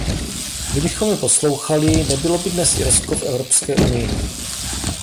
Kdybychom je poslouchali, nebylo by dnes Irsko v Evropské unii.